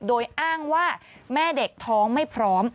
โดยอ้างว่าแม่เด็กท้องไม่พร้อม